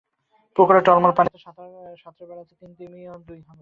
পুকুরের টলমল পানিতে সাঁতরে বেড়াচ্ছে তিনটি নীল তিমি এবং দুটি হাঙর।